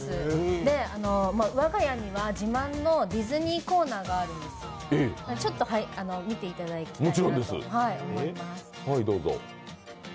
我が家には、自慢のディズニーコーナーがあるんですけどちょっと見ていただきたいと思います。